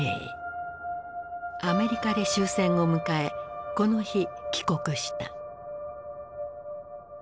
アメリカで終戦を迎えこの日帰国した。